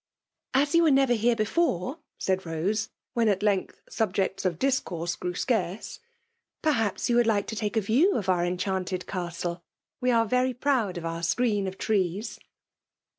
_" As you were never here before," said Bose^ when at length subjects of discourse grew soatce> " perhaps you would like to take a view of OQT enchanted castle ? Wc are very proud of our screen of trees."